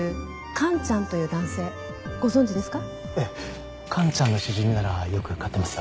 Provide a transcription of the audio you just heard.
カンちゃんのシジミならよく買ってますよ。